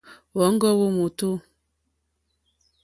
Wɔ̌ŋɡɔ́ wó mòtò.